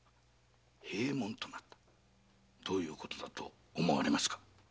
どういうことだと思われますか？